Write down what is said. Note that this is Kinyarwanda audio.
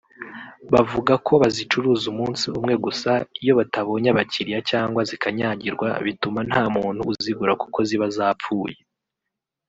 Bavuga ko bazicuruza umunsi umwe gusa iyo batabonye abakiriya cyangwa zikanyagirwa bituma nta muntu uzigura kuko ziba zapfuye